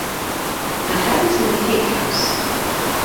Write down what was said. I had it in the cake-house